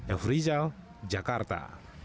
efri zal jakarta